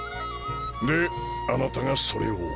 であなたがそれを。